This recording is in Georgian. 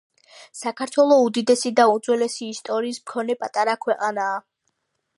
საქართველო უდიდესი და უძველესი ისტორიის მქონე პატარა ქვეყანაა